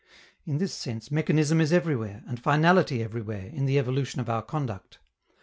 In this sense mechanism is everywhere, and finality everywhere, in the evolution of our conduct.